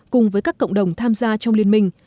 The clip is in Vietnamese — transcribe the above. cùng với các cộng đồng tham gia trong liên minh